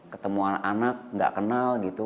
ketemuan anak nggak kenal gitu